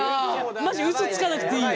マジうそつかなくていいよ。